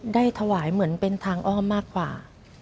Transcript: ได้ถวายเหมือนเป็นทางอ้อมมากกว่า